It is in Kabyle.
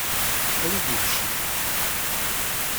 Awi-d učči!